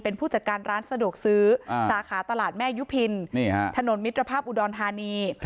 เป็นผู้จัดการร้านสะดวกซื้อสาขาตลาดแม่ยุพินถนนมิตรภาพอุดรธานี